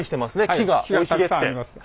木が生い茂って。